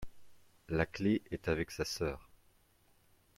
la clé est avec sa sœur.